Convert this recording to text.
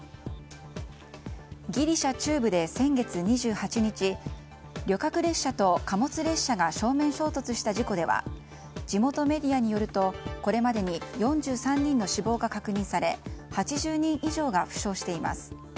ギリシャ中部で先月２８日旅客列車と貨物列車が正面衝突した事故では地元メディアによるとこれまでに４３人の死亡が確認され８０人以上が負傷しています。